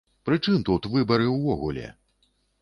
Пры чым тут выбары ўвогуле?!